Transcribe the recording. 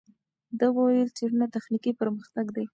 ده وویل، څېړنه تخنیکي پرمختګ دی.